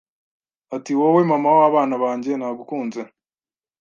Ati Wowe mama wabana banjye nagukunze